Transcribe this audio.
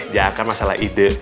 jangan masalah ide